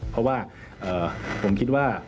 เพราะว่าผมคิดว่า